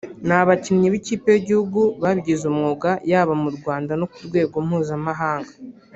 ni abakinnyi b’ikipe y’igihugu babigize umwuga yaba mu Rwanda no ku rwego mpuzamahanga